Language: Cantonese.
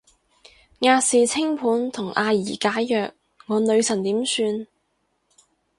亞視清盤同阿儀解約，我女神點算